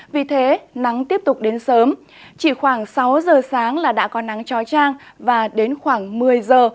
vì thế nắng tiếp tục đến sớm chỉ khoảng sáu giờ sáng là đã có nắng trói trang và đến khoảng một mươi giờ